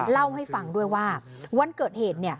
เล่าให้ฟังด้วยว่าวันเกิดเหตุ